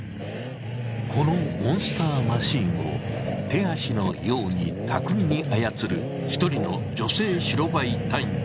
このモンスターマシンを手足のように巧みに操る１人の女性白バイ隊員。